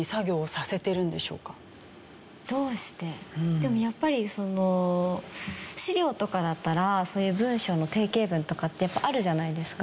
でもやっぱり資料とかだったら文章の定型文とかってあるじゃないですか。